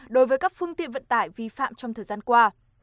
đối với các phương tiện vận tải vi phạm trong thời gian qua